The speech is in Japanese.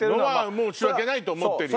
申し訳ないと思ってるよ。